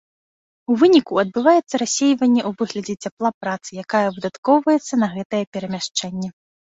У выніку адбываецца рассейванне ў выглядзе цяпла працы, якая выдаткоўваецца на гэтае перамяшчэнне.